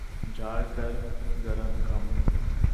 جھاڑ کر گرد غم